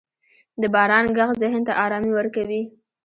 • د باران ږغ ذهن ته آرامي ورکوي.